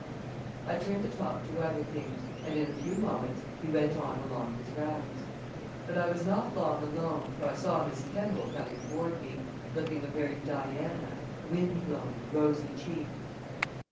I turned the talk to other things, and in a few moments he went on along his rounds. But I was not long alone, for I saw Miss Kemball coming toward me, looking a very Diana, wind blown and rosy cheeked.